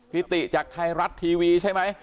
ติจากไทยรัฐทีวีใช่ไหม